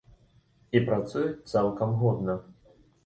І працуюць цалкам годна.